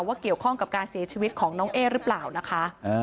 เกี่ยวข้องกับการเสียชีวิตของน้องเอ๊หรือเปล่านะคะ